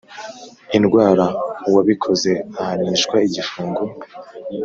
indwara uwabikoze ahanishwa igifungo